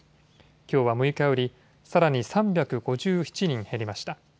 きょうは６日より、さらに３５７人減りました。